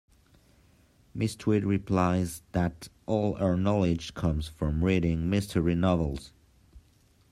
Miss Tweed replies that all her knowledge comes from reading mystery novels.